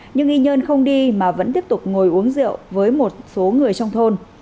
nhưng y nhơn không đi mà vẫn tiếp tục ngồi uống rượu với một số người trong thôn